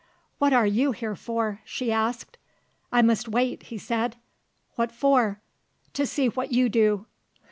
"What are you here for?" she asked. "I must wait," he said. "What for?" "To see what you do."